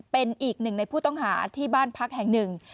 เป็นอีกหนึ่งในผู้ต้องหาที่บ้านพักแห่งหนึ่ง